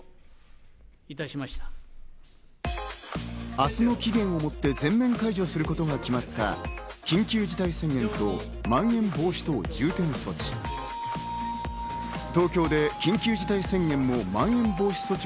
明日の期限をもって、全面解除することが決まった緊急事態宣言とまん延防止等重点措置。